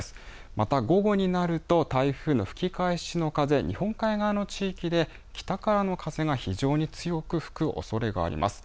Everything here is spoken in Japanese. また午後になると台風の吹き返しの風、日本海側の地域で北からの風が非常に強く吹くおそれがあります。